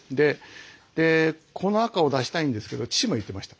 でこの赤を出したいんですけど父も言ってました。